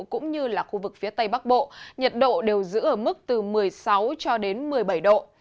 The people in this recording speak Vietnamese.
cũng như là khu vực phía tây bắc bộ nhiệt độ đều giữ ở mức từ một mươi sáu cho đến một mươi bảy độ